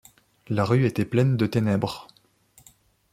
La rue était pleine de ténèbres.